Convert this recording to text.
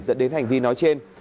dẫn đến hành vi nói trên